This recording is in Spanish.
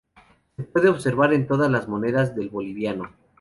Se puede observar en todas las monedas del boliviano.